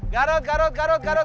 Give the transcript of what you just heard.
garut garut garut garut